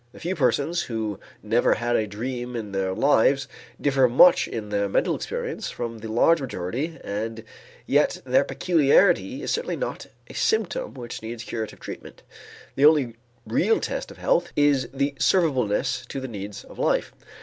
The few persons who never had a dream in their lives differ much in their mental experience from the large majority and yet their peculiarity is certainly not a symptom which needs curative treatment. The only real test of health is the serviceableness to the needs of life.